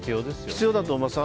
必要だと思います。